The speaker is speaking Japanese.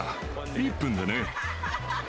１分でね。